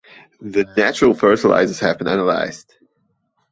The natural fertilizers have been analyzed.